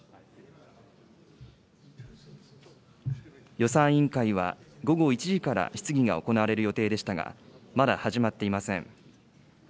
予算委員会は、午後１時から質疑が行われる予定でしたが、まだ始まっていません。